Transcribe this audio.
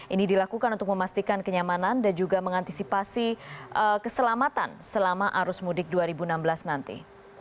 ini dilakukan untuk memastikan kenyamanan dan juga mengantisipasi keselamatan selama arus mudik dua ribu enam belas nanti